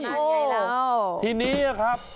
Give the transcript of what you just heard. นั่นไงล่ะทีนี้ครับ